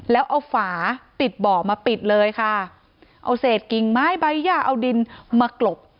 แล้วเอาฝาติดบ่อมาปิดเลยค่ะเอาเศษกิ่งไม้ใบย่าเอาดินมากรบ